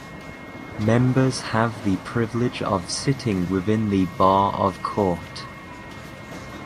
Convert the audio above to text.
Members have the privilege of sitting within the bar of court.